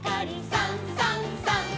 「さんさんさん」